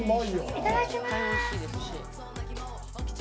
いただきます！